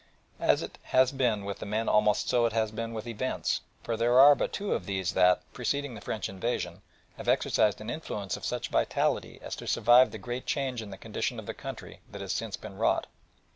And as it has been with the men almost so has it been with events, for there are but two of these that, preceding the French invasion, have exercised an influence of such vitality as to survive the great change in the condition of the country that has since been wrought.